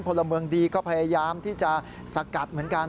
พลเมืองดีก็พยายามที่จะสกัดเหมือนกัน